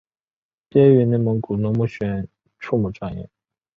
毕业于内蒙古农牧学院畜牧专业。